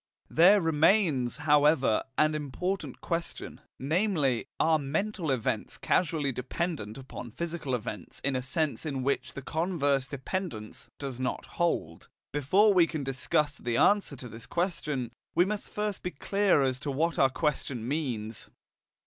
There remains, however, an important question, namely: Are mental events causally dependent upon physical events in a sense in which the converse dependence does not hold? Before we can discuss the answer to this question, we must first be clear as to what our question means.